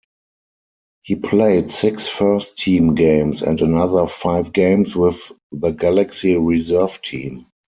He played six first-team games and another five games with the Galaxy reserve team.